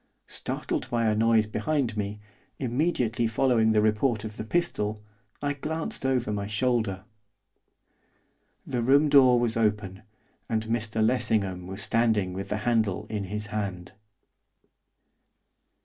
Startled by a noise behind me, immediately following the report of the pistol, I glanced over my shoulder. The room door was open, and Mr Lessingham was standing with the handle in his hand.